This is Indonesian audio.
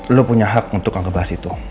anda punya hak untuk ngebahas itu